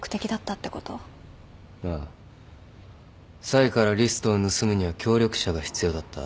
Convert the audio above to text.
サイからリストを盗むには協力者が必要だった。